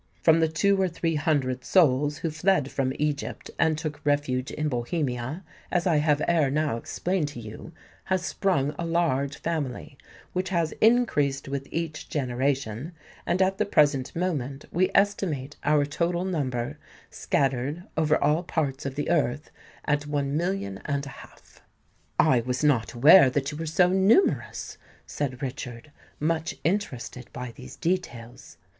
"From the two or three hundred souls who fled from Egypt and took refuge in Bohemia, as I have ere now explained to you, has sprung a large family, which has increased with each generation; and at the present moment we estimate our total number, scattered over all parts of the earth, at one million and a half." "I was not aware that you were so numerous," said Richard, much interested by these details.